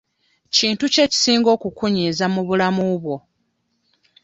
Kintu ki ekisinga okukunyiiza mu bulamu bwo?